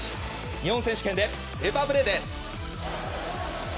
日本選手権でスーパープレーです。